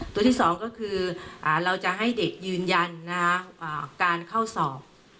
ตัวที่สองก็คือเราจะให้เด็กยืนยันการเข้าสอบ